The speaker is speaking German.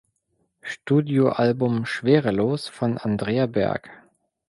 Studioalbum "Schwerelos" von Andrea Berg.